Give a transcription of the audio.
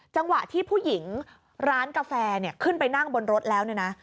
จังหวะที่ผู้หญิงร้านกาแฟขึ้นไปนั่งบนรถแล้วเนี่ยนะ